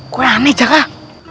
kau aneh jakat